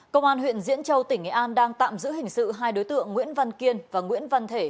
công an huyện diễn châu tỉnh nghệ an đang tạm giữ hình sự hai đối tượng nguyễn văn kiên và nguyễn văn thể